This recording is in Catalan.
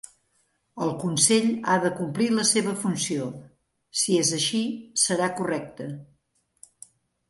El Consell ha de complir la seva funció; si és així, serà correcte...